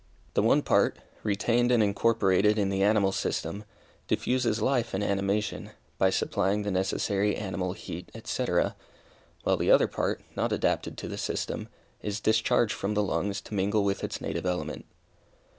The one part, retained and incorporated in the animal system, diffuses life and animation, by supplying the necessary animal heat, &c., while the other part, not adapted to the system, is discharged from the lungs to mingle with its native element.